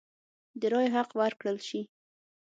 د رایې حق ورکړل شي.